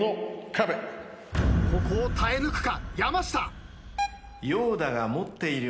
ここを耐え抜くか山下。